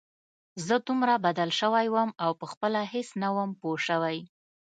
زه دومره بدل سوى وم او پخپله هېڅ نه وم پوه سوى.